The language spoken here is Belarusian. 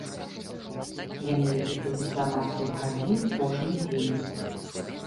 Яны рэпетуюць дванаццаць гадзін кожны дзень.